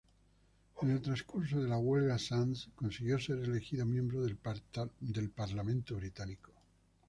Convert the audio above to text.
En el transcurso de la huelga, Sands consiguió ser elegido miembro del Parlamento Británico.